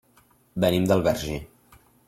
Venim del Verger.